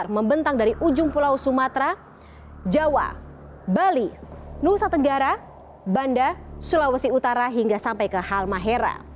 membentang dari ujung pulau sumatera jawa bali nusa tenggara banda sulawesi utara hingga sampai ke halmahera